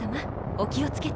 お気を付けて。